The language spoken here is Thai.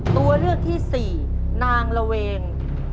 ตัวเลือกที่สี่นางระเวง